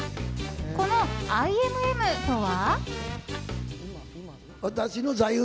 このＩＭＭとは。